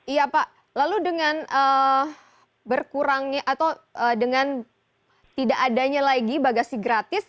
iya pak lalu dengan berkurangnya atau dengan tidak adanya lagi bagasi gratis